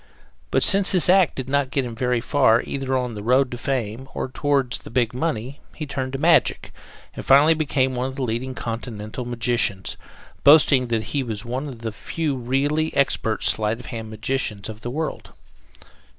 But since this act did not get him very far either on the road to fame, or toward the big money he turned to magic and finally became one of the leading Continental magicians, boasting that he was one of the few really expert sleight of hand magicians of the world.